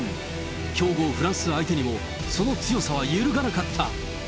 強豪フランス相手にも、その強さは揺るがなかった。